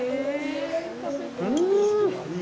うん！